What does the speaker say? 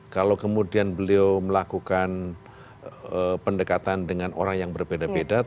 kalau kemudian beliau melakukan pendekatan dengan orang yang berbeda beda